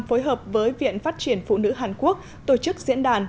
phối hợp với viện phát triển phụ nữ hàn quốc tổ chức diễn đàn